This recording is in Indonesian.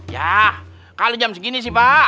ya kalau jam segini sih pak